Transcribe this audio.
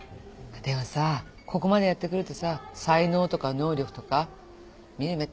でもさここまでやってくるとさ才能とか能力とか見る目